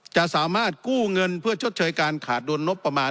จะสามารถกู้เงินเพื่อชดเชยการขาดดุลงบประมาณ